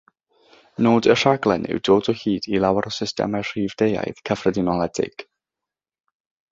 Nod y rhaglen yw dod o hyd i lawer o systemau rhif deuaidd cyffredinoledig.